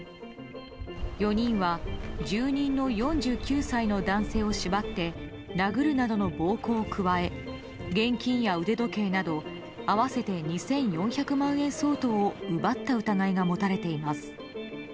４人は住人の４９歳の男性を縛って殴るなどの暴行を加え現金や腕時計など合わせて２４００万円相当を奪った疑いが持たれています。